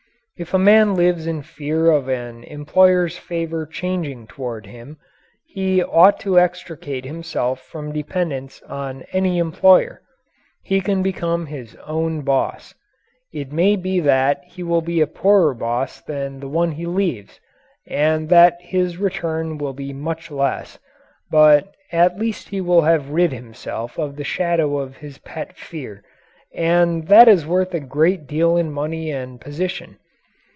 If a man lives in fear of an employer's favor changing toward him, he ought to extricate himself from dependence on any employer. He can become his own boss. It may be that he will be a poorer boss than the one he leaves, and that his returns will be much less, but at least he will have rid himself of the shadow of his pet fear, and that is worth a great deal in money and position.